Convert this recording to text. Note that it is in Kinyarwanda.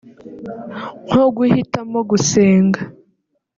nko guhitamo gusenga